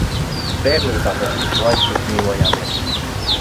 Bērnībā mēs visu laiku tur dzīvojāmies.